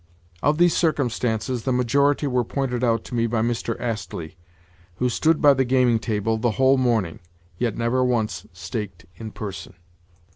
Of these circumstances the majority were pointed out to me by Mr. Astley, who stood by the gaming table the whole morning, yet never once staked in person.